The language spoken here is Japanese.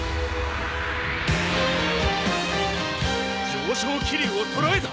上昇気流を捉えた。